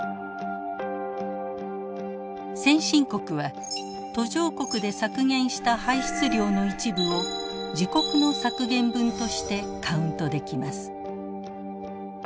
先進国は途上国で削減した排出量の一部を自国の削減分としてカウントできます。